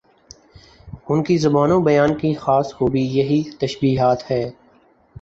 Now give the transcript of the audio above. ان کی زبان و بیان کی خاص خوبی یہی تشبیہات ہی